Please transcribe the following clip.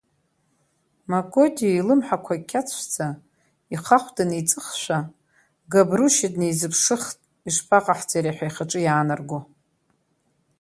Мокоди илымҳақәа кьацәӡа, ихахәда неиҵыхшәа, Габрушьа днеизыԥшыхт, ишԥаҟаҳҵари ҳәа ихаҿы иаанарго.